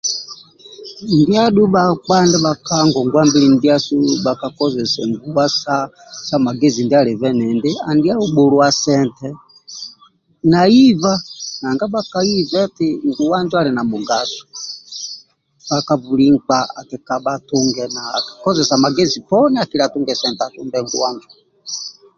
Ndia adhu bhakpa ndibha ka ngongwa ndiasu bhakakozese nguwa sa magezi ndia alibe endindi andia hau bhulibwa sente na iba nanga bhakaiba eti nguwa injo ali na mugaso buli nkpa akikabha akikozesa magezi poni akili atunge sente asumbe nguwa injo